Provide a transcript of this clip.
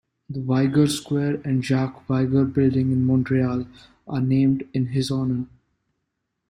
The Viger Square and Jacques Viger Building in Montreal are named in his honour.